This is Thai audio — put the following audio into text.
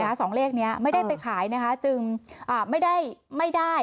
สองเลขนี้ไม่ได้ไปขายนะคะจึงอ่าไม่ได้ไม่ได้